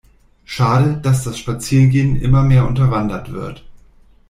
Schade, dass das Spazierengehen immer mehr unterwandert wird.